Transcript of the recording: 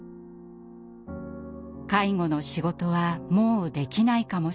介護の仕事はもうできないかもしれない。